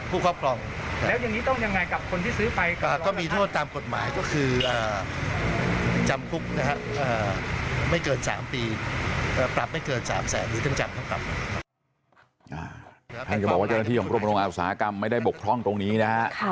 ท่านก็บอกว่าเจ้าหน้าที่ของกรมโรงงานอุตสาหกรรมไม่ได้บกพร่องตรงนี้นะฮะ